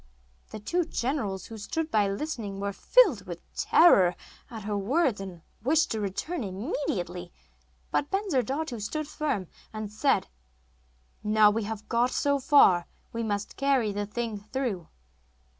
The two generals, who stood by listening, were filled with terror at her words, and wished to return immediately; but Bensurdatu stood firm, and said: 'Now we have got so far we must carry the thing through.